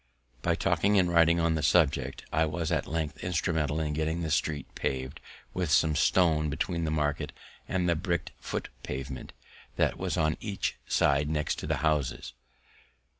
By talking and writing on the subject, I was at length instrumental in getting the street pav'd with stone between the market and the brick'd foot pavement, that was on each side next the houses.